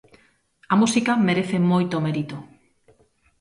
A música merece moito mérito.